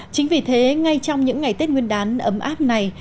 chính vì thế ngay trong những ngày tết nguyên đán ấm áp này